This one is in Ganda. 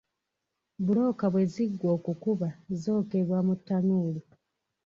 Bbulooka bwe ziggwa okukuba zookyebwa mu ttanuulu.